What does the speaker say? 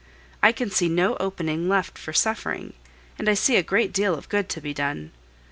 I can see no opening left for suffering, and I see a great deal of good to be done.